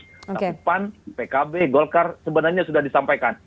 tapi pan pkb golkar sebenarnya sudah disampaikan